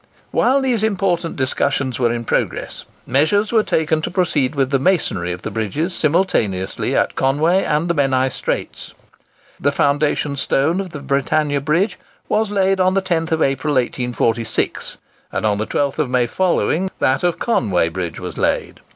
While these important discussions were in progress, measures were taken to proceed with the masonry of the bridges simultaneously at Conway and the Menai Straits. The foundation stone of the Britannia Bridge was laid on the 10th April, 1846; and on the 12th May following that of the Conway Bridge was laid.